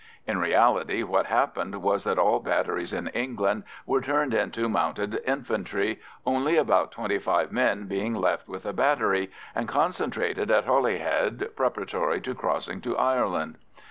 In reality what happened was that all batteries in England were turned into mounted infantry, only about twenty five men being left with a battery, and concentrated at Holyhead, preparatory to crossing to Ireland.